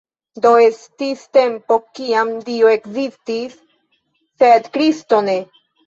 Do estis tempo kiam Dio ekzistis, sed Kristo ne.